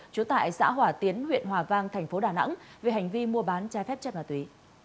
trú tại xã hỏa tiến huyện hòa vang thành phố đà nẵng về hành vi mua bán trái phép chất ma túy